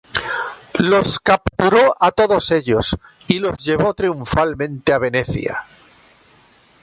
Los capturó a todos ellos y los llevó triunfalmente a Venecia.